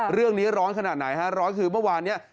เรื่องนี้ร้อนขนาดไหนฮะร้อนคือเมื่อวานเนี่ย